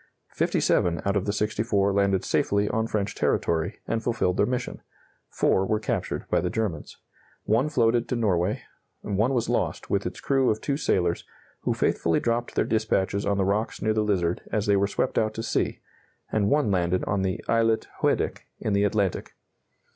Fifty seven out of the 64 landed safely on French territory, and fulfilled their mission; 4 were captured by the Germans; 1 floated to Norway; 1 was lost, with its crew of two sailors, who faithfully dropped their dispatches on the rocks near the Lizard as they were swept out to sea; and 1 landed on the islet Hoedic, in the Atlantic.